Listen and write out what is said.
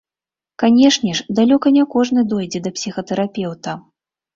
Канечне ж, далёка не кожны дойдзе да псіхатэрапеўта.